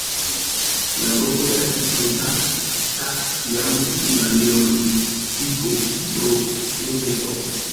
La loko estis loĝata jam dum la neolitiko, bronzepoko.